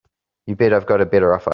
You bet I've got a better offer.